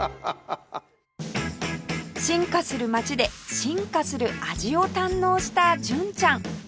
進化する街で進化する味を堪能した純ちゃん